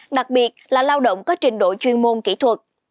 đặc biệt là lao động có trình độ chuyên môn kỹ thuật